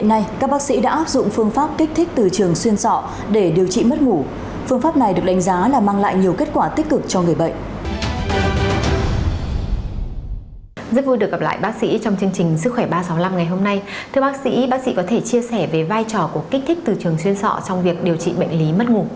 các bác sĩ có thể chia sẻ về vai trò của kích thích từ trường xuyên sọ trong việc điều trị bệnh lý mất ngủ